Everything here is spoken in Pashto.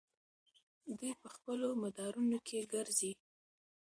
دوی په خپلو مدارونو کې ګرځي.